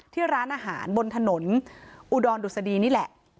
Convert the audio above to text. ที่ร้านอาหารบนถนนอุดรดุษฎีนี่แหละ